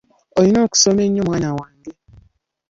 Olina okusoma ennyo mwana wange.